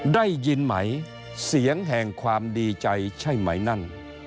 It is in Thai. ได้ยินไหมเสียงแห่งความดีใจใช่ไหมนั่น